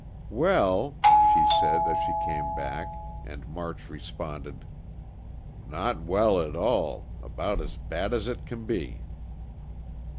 "Well," she said, as she came back, and March responded, "not well at all. About as bad as it can be."